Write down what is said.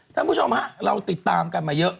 ท่านผู้ชมฮะเราติดตามกันมาเยอะ